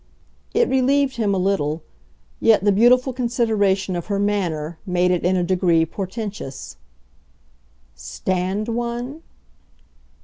It relieved him a little, yet the beautiful consideration of her manner made it in a degree portentous. "Stand one